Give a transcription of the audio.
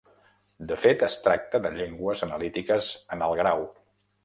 De fet es tracta de llengües analítiques en alt grau.